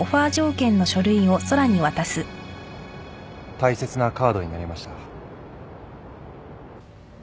大切なカードになりました。